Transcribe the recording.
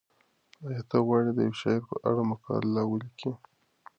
ایا ته غواړې د یو شاعر په اړه مقاله ولیکې؟